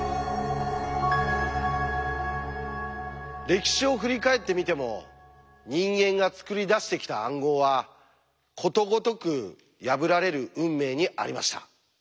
歴史を振り返ってみても人間が作り出してきた暗号はことごとく破られる運命にありました。